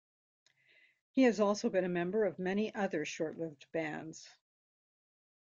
He has also been a member of many other short-lived bands.